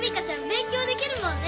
べん強できるもんね！